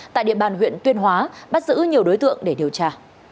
tại địa bàn huyện tuyên hóa bắt giữ nhiều đối tượng để điều tra